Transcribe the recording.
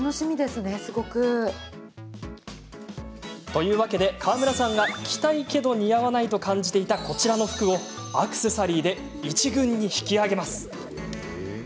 というわけで、川村さんが着たいけど似合わないと感じていた、こちらの服をアクセサリーで一軍に引き上げます。